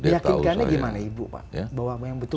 yakin kan gimana ibu